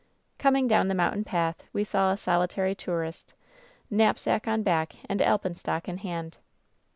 ; "Coming down the mountain path we saw a solitary tourist, knapsack on back and alpenstock in hand.